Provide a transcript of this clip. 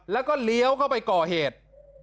แล้วก็เลี้ยวเข้าไปก่อเหตุ